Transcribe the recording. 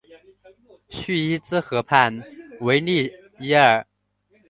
叙伊兹河畔维利耶尔。